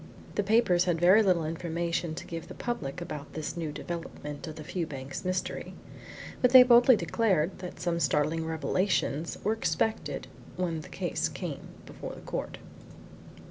The papers had very little information to give the public about this new development of the Fewbanks mystery, but they boldly declared that some startling revelations were expected when the case came before the court.